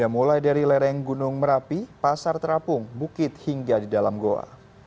mulai dari lereng gunung merapi pasar terapung bukit hingga di dalam goa